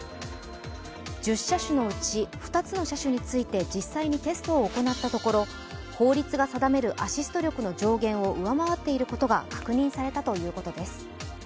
１０車種のうち２つの車種について実際にテストを行ったところ法律が定めるアシスト力の上限を上回っていることが確認されたということです。